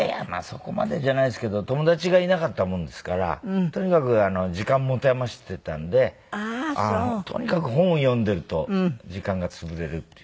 そこまでじゃないですけど友達がいなかったものですからとにかく時間持て余してたんでとにかく本を読んでると時間が潰れるっていう。